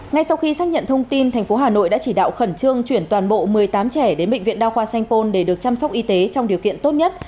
ngay sau khi xác nhận thông tin thành phố hà nội đã chỉ đạo khẩn trương chuyển toàn bộ một mươi tám trẻ đến bệnh viện đao khoa sanh pôn để được chăm sóc y tế trong điều kiện tốt nhất